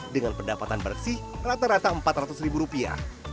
dengan pendapatan bersih rata rata empat ratus ribu rupiah